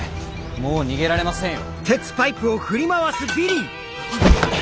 もう逃げられませんよ。